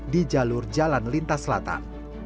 di jalur jalan lintas selatan